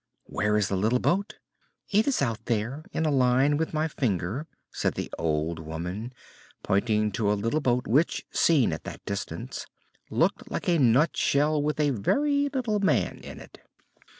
"Where is the little boat?" "It is out there in a line with my finger," said the old woman, pointing to a little boat which, seen at that distance, looked like a nutshell with a very little man in it.